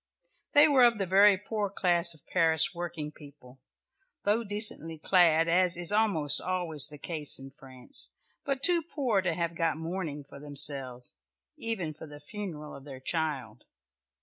They were of the very poor class of Paris working people, though decently clad, as is almost always the case in France, but too poor to have got mourning for themselves, even for the funeral of their child.